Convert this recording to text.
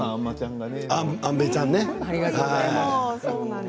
安部ちゃんがね。